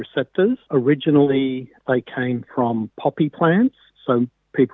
sebenarnya mereka datang dari tanaman popi